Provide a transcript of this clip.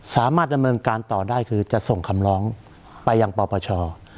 สามารถดำเนินการต่อได้คือจะส่งคำร้องไปยังปปช